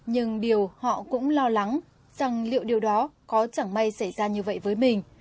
nhưng điều họ cũng lo lắng rằng liệu điều đó có chẳng may xảy ra như vậy với mình